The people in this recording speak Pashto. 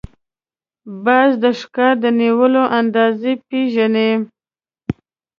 باز د ښکار د نیولو اندازې پېژني